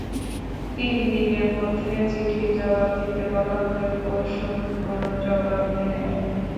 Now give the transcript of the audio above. তিন দিনের মধ্যে চিঠির জবাব দিতে বলা হলেও প্রসূন কোনো জবাব দেননি।